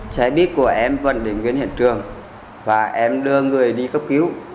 xe buýt của em vẫn đến hiện trường và em đưa người đi cấp cứu